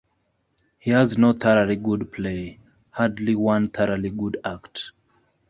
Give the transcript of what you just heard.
He has no thoroughly good play, hardly one thoroughly good act.